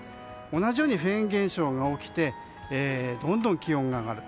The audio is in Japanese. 同じようにフェーン現象が起きてどんどん気温が上がる。